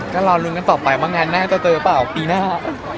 ก็รอลุ้นกันต่อไปบางงานน่าจะเจอเปล่าปีหน้า